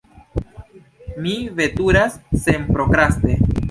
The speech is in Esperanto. Mi veturas senprokraste.